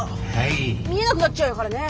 見えなくなっちゃうからね。